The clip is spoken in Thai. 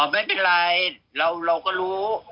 ไม่เป็นไรเราก็รู้